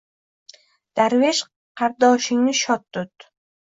— Darvesh qardoshingni shod tut.